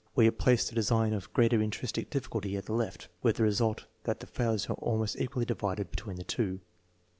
We have placed the design of greater intrinsic difficulty at the left, with the result that the failures are almost equally divided between the two.